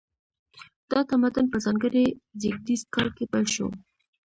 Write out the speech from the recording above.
دا تمدن په ځانګړي زیږدیز کال کې پیل شو.